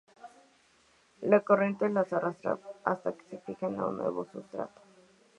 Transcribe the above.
La corriente las arrastra hasta que se fijan a un nuevo sustrato.